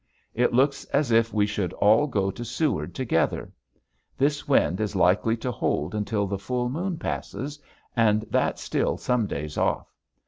It looks as if we should all go to Seward together. This wind is likely to hold until the full moon passes and that's still some days off.